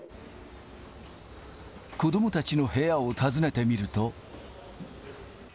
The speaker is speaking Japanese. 子どもたちの部屋を訪ねてみると。